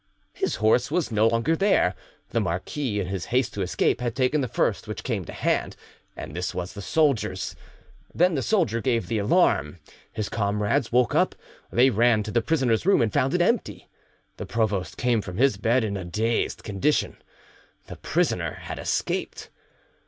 His horse was no longer there; the marquis, in his haste to escape, had taken the first which came to hand, and this was the soldier's. Then the soldier gave the alarm; his comrades woke up. They ran to the prisoner's room, and found it empty. The provost came from his bed in a dazed condition. The prisoner had escaped.